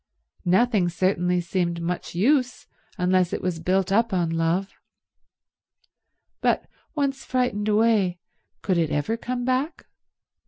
Nothing certainly seemed much use unless it was built up on love. But once frightened away, could it ever come back?